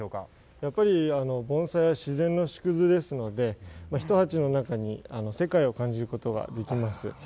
やっぱり盆栽は自然の縮図ですのでひと鉢の中に世界を感じることができます。